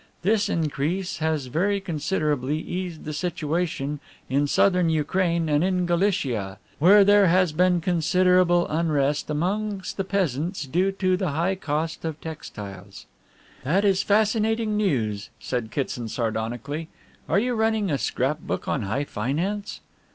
This increase has very considerably eased the situation in Southern Ukraine and in Galicia, where there has been considerable unrest amongst the peasants due to the high cost of textiles." "That is fascinating news," said Kitson sardonically. "Are you running a scrap book on high finance?"